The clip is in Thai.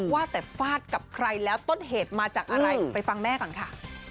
ว่าแต่ฟาดกับใครแล้วต้นเหตุมาจากอะไรไปฟังแม่ก่อนค่ะ